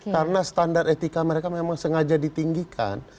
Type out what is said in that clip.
karena standar etika mereka memang sengaja ditinggikan